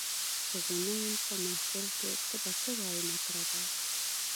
چي زه نه یم په محفل کي ته به څه وایې مطربه